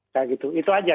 nah gitu itu aja